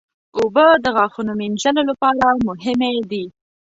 اوبه د غاښونو مینځلو لپاره مهمې دي.